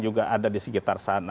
juga ada di sekitar sana